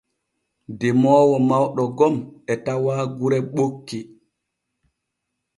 Demoowo mawɗo gom e tawa gure ɓokki.